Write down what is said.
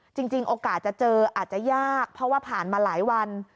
จริงโอกาสจะเจออาจจะยากเพราะว่าผ่านมาหลายวัน